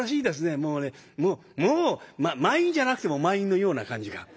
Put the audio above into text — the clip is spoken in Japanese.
もうねもうもう満員じゃなくても満員のような感じが。